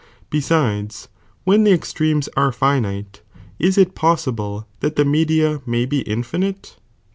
Besides, when the extreme are finite, Jurthilu!™* is it possible that the media may be infinite